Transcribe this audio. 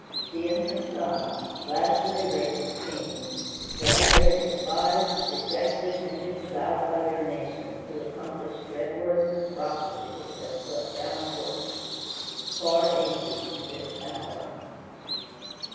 She and her son, last of a race of kings, stand there despised, rejected, and disavowed by their nation, to accomplish dread words of prophecy, which have swept down for far ages to this hour.